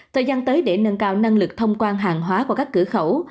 thời gian tới để nâng cao năng lực thông quan hàng hóa qua các cửa khẩu